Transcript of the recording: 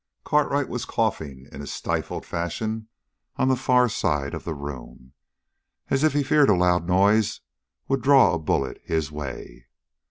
Cartwright was coughing in a stifled fashion on the far side of the room, as if he feared a loud noise would draw a bullet his way.